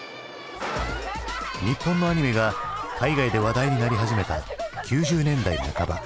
日本のアニメが海外で話題になり始めた９０年代半ば。